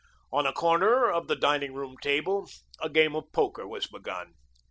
On a corner of the dining room table, a game of poker was begun.